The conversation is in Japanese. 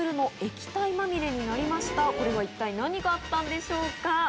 これは一体何があったんでしょうか？